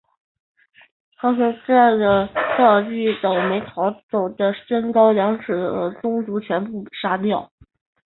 唐玹带着郡督邮将赵岐等没逃走的身高三尺以上的赵氏宗族全部杀死。